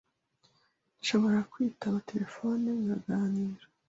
nshobora kwitaba telephone nkaganira.